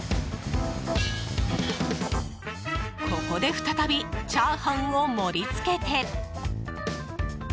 ここで再びチャーハンを盛り付けて。